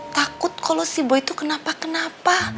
takut kalo si boy tuh kenapa kenapa